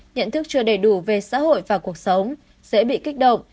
nhận thức chưa đầy đủ về xã hội và cuộc sống dễ bị kích động